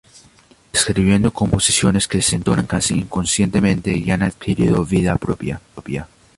Escribiendo composiciones que se entonan casi inconscientemente y han adquirido vida propia.